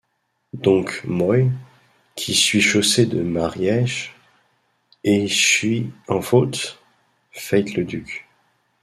Doncques, moy, qui suis chaussé de mariaige, ie suis en faulte? feit le duc.